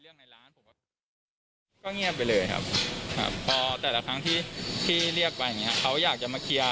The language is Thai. ก็เงียบไปเลยครับพอแต่ละครั้งที่เรียกไปเขาอยากจะมาเคลียร์